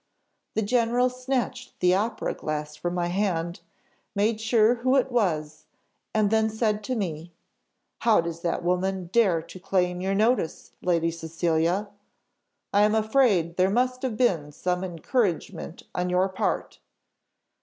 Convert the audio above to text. The general snatched the opera glass from my hand, made sure who it was, and then said to me, "'How does that woman dare to claim your notice, Lady Cecilia? I am afraid there must have been some encouragement on your part.